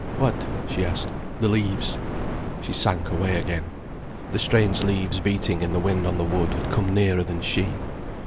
"What?" she asked. "The leaves." She sank away again. The strange leaves beating in the wind on the wood had come nearer than she.